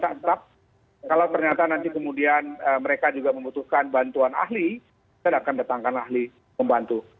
tetap kalau ternyata nanti kemudian mereka juga membutuhkan bantuan ahli saya akan datangkan ahli membantu